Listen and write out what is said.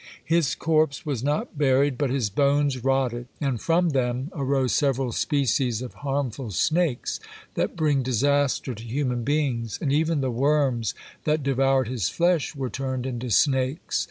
His corpse was not buried, but his bones rotted, and from then arose several species of harmful snakes, that bring disaster to human beings; and even the worms that devoured his flesh were turned into snakes.